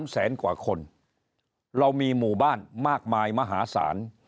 แสนกว่าคนเรามีหมู่บ้านมากมายมหาศาล